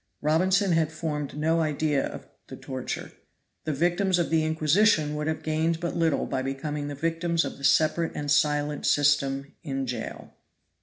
Robinson had formed no idea of the torture. The victims of the Inquisition would have gained but little by becoming the victims of the separate and silent system in Jail.